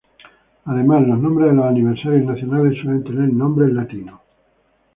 Además, los nombres de los aniversarios nacionales suelen tener nombres latinos.